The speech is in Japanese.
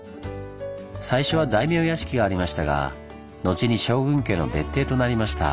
最初は大名屋敷がありましたが後に将軍家の別邸となりました。